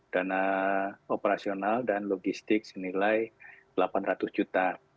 dana operasional dan logistik senilai rp delapan ratus juta